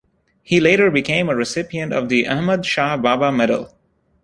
He later became a recipient of the Ahmad Shah Baba Medal.